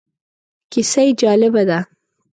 کیسه یې جالبه ده.